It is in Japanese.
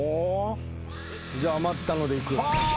じゃあ余ったのでいく。